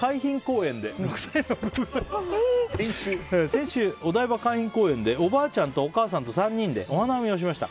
先週、お台場海浜公園でおばあちゃんとお母さんと３人でお花見をしました。